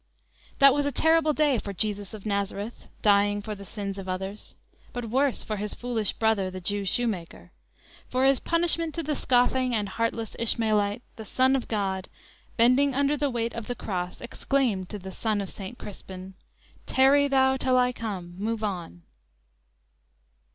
That was a terrible day for Jesus of Nazareth (dying for the sins of others), but worse for his foolish brother, the Jew shoemaker; for as punishment to the scoffing and heartless Ishmaelite, the "Son of God," bending under the weight of the cross, exclaimed to the "Son of Saint Crispin": "Tarry thou 'till I come! Move on!"